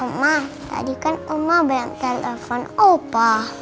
oma tadi kan oma bilang telepon opa